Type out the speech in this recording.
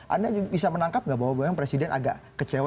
anda bisa menangkap nggak bahwa presiden agak kecewa